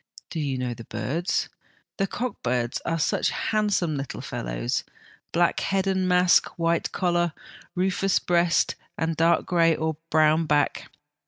Do you know the birds ? The cock birds are such handsome little fellows, black head and mask, white collar, rufous breast and dark grey or brown back.